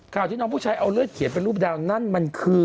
ที่น้องผู้ชายเอาเลือดเขียนเป็นรูปดาวนั่นมันคือ